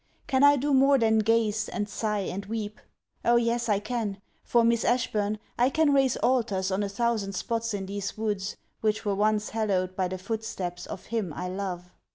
Can I do more than gaze, and sigh, and weep? O yes, I can: for, Miss Ashburn, I can raise altars on a thousand spots in these woods, which were once hallowed by the footsteps of him I love!